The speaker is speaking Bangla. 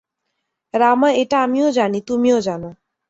রামা এটা আমিও জানি, তুমিও জানো।